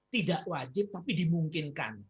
tidak wajib tapi dimungkinkan